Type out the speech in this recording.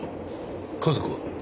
家族は？